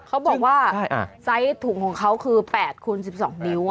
เขาบอกว่าไซส์ถุงของเขาคือ๘คูณ๑๒นิ้ว